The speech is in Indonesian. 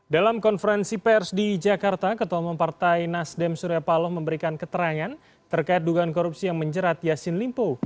dalam konferensi pers di jakarta ketua umum partai nasdem surya paloh memberikan keterangan terkait dugaan korupsi yang menjerat yassin limpo